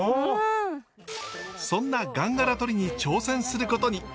そんなガンガラとりに挑戦することに。